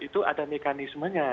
itu ada mekanismenya